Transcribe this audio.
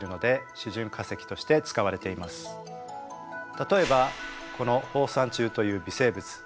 例えばこの放散虫という微生物。